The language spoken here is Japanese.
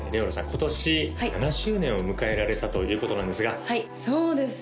今年７周年を迎えられたということなんですがそうですね